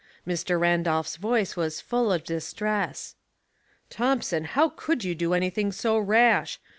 Mr. Randolph's voice was full of distress. " Thomson, how could you do anything so rash